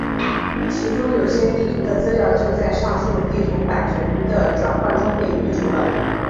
其中有些地图的资料就在上述地图版权的转换中被移除了。